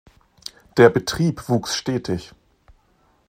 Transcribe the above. Der Betrieb wuchs stetig.